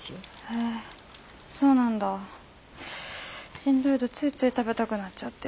しんどいとついつい食べたくなっちゃって。